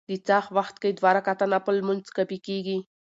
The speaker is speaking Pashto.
د څاښت وخت کي دوه رکعته نفل لمونځ کافي کيږي